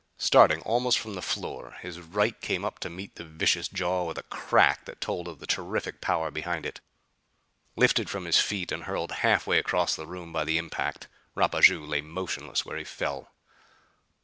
Starting almost from the floor, his right came up to meet the vicious jaw with a crack that told of the terrific power behind it. Lifted from his feet and hurled half way across the room by the impact, Rapaju lay motionless where he fell.